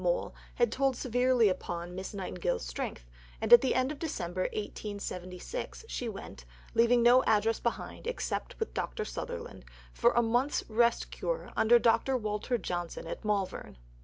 Mohl, had told severely upon Miss Nightingale's strength, and at the end of December 1867 she went, leaving no address behind (except with Dr. Sutherland), for a month's rest cure under Dr. Walter Johnson at Malvern.